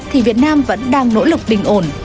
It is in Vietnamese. thì việt nam vẫn đang nỗ lực bình ổn